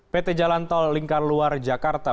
pt jalan tol lingkar luar jakarta